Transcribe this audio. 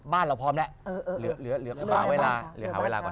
บ้านเราพร้อมแหละเหลือหาเวลาก่อน